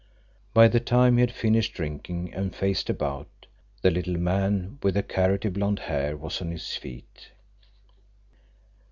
By the time he had finished drinking and faced about, the little man with the carroty blond hair was on his feet.